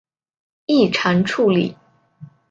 异常处理